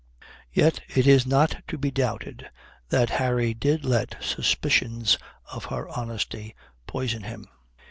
Yet it is not to be doubted that Harry did let suspicions of her honesty poison him.